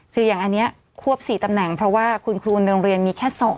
คืออย่างอันนี้ควบ๔ตำแหน่งเพราะว่าคุณครูในโรงเรียนมีแค่๒